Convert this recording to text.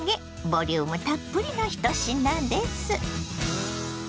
ボリュームたっぷりの１品です。